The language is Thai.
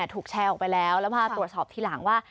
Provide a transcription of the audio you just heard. ถูกแชร์ออกไปแล้วแล้วมาตรวจสอบทีหลังว่า